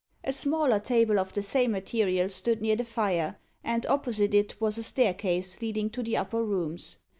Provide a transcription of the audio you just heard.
A smaller table of the same material stood near the fire, and opposite it was a staircase leading to the upper rooms.